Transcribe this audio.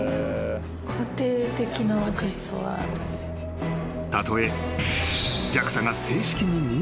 ［たとえ］